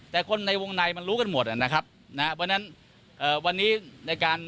แต่คนในวงในมันรู้กันหมดอ่ะนะครับนะฮะเพราะฉะนั้นเอ่อวันนี้ในการ